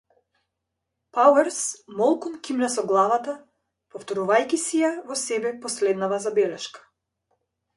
Пауерс молкум кимна со главата, повторувајќи си ја во себе последнава забелешка.